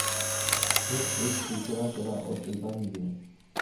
پھر ایک سلسلہ چلا اور چلتا ہی گیا۔